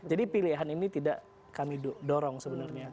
jadi pilihan ini tidak kami dorong sebenarnya